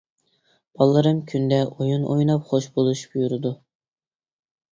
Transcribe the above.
بالىلىرىم كۈندە ئويۇن ئويناپ خوش بولۇشۇپ يۈرىدۇ.